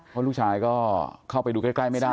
เพราะลูกชายก็เข้าไปดูใกล้ไม่ได้